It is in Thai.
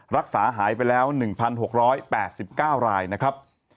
รักษาหายไปแล้ว๑๖๘๙รายนะครับ